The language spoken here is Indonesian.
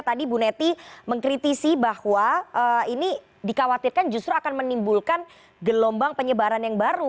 tadi bu neti mengkritisi bahwa ini dikhawatirkan justru akan menimbulkan gelombang penyebaran yang baru